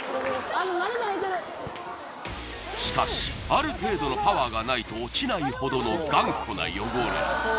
しかしある程度のパワーがないと落ちないほどの頑固な汚れＯＫ！